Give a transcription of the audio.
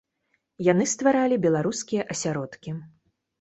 Яны стваралі беларускія асяродкі.